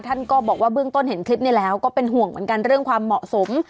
ท่านก็บอกว่าเบื้องต้นเห็นคลิปนี้แล้วก็เป็นห่วงเหมือนกันเรื่องความเหมาะสม